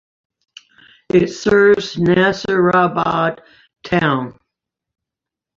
It serves Nasirabad town.